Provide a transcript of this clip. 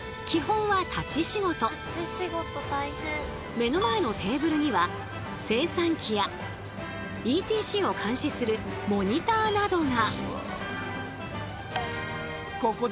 目の前のテーブルには精算機やＥＴＣを監視するモニターなどが。